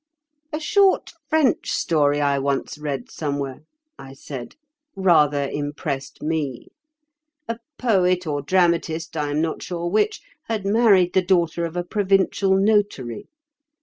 "A short French story I once read somewhere," I said, "rather impressed me. A poet or dramatist—I am not sure which—had married the daughter of a provincial notary.